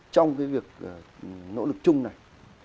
trong cái việc nỗ lực chung này